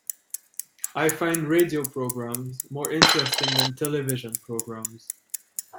I find radio programmes more interesting than television programmes